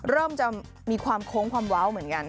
เริ่มจะมีความโค้งความเว้าเหมือนกัน